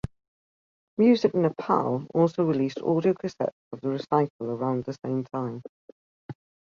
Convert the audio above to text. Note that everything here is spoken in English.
Music Nepal also released audio cassettes of the recital around the same time.